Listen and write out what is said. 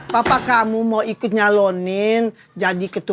papa kamu mau ikut calonin jadi ketua rw